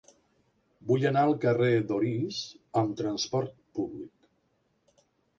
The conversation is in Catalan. Vull anar al carrer d'Orís amb trasport públic.